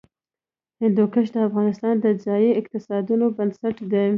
هندوکش د افغانستان د ځایي اقتصادونو بنسټ دی.